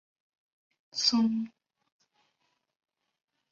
松江城是位于日本岛根县松江市殿町的城堡。